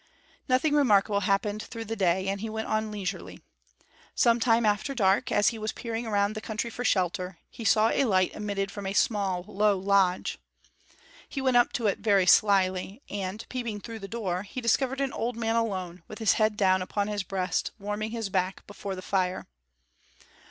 Nothing remarkable happened through the day, and he went on leisurely. Some time after dark, as he was peering around the country for shelter, he saw a light emitted from a small low lodge. He went up to it very slyly, and, peeping through the door, he discovered an old man alone, with his head down upon his breast, warming his back before the fire.